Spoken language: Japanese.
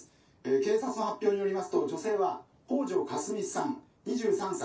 警察の発表によりますと女性は北條かすみさん２３歳。